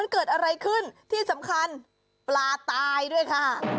เกิดอะไรขึ้นที่สำคัญปลาตายด้วยค่ะ